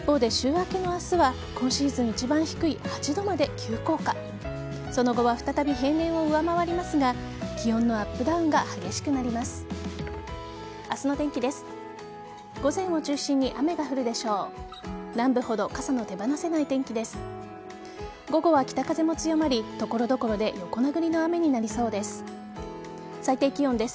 明日の天気です。